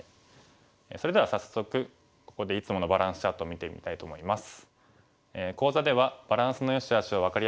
それでは早速ここでいつものバランスチャートを見てみたいと思います。